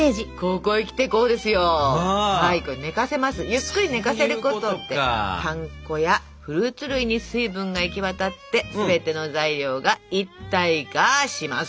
ゆっくり寝かせることでパン粉やフルーツ類に水分が行き渡って全ての材料が一体化しますと。